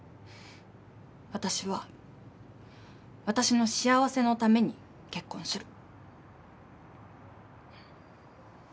私は私の幸せのために結婚する。